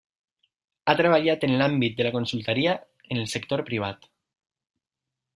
Ha treballat en l'àmbit de la consultoria en el sector privat.